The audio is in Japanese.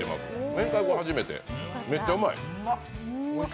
明太子、初めて、めっちゃうまい。